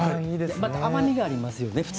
甘みがありますよね。